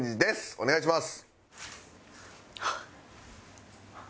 お願いします。